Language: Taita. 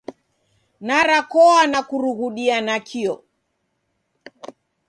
Narakoa na kurughudia nakio.